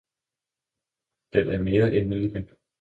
Den er mere end nydelig!